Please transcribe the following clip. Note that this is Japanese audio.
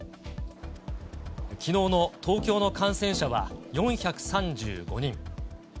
きのうの東京の感染者は４３５人。